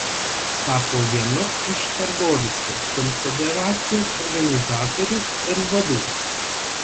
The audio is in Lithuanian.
Tapo vienu iš Targovicos konfederacijos organizatorių ir vadų.